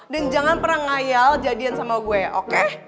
dan jangan pernah ngayal jadian sama gue oke